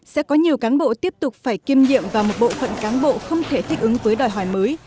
sẽ có nhiều cán bộ tiếp tục phải kiêm nhiệm vào một bộ phận cán bộ không thể thích ứng với đòi hỏi mới